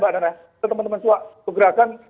pak ananda teman teman tua kegerakan